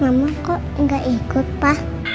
mama kok gak ikut pa